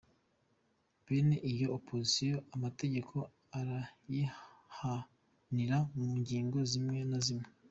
Bene iyo opposition amategeko arayihanira mu ngingo zimwe na zimwe.